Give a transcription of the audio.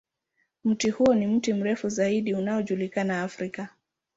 Mti huo ni mti mrefu zaidi unaojulikana Afrika.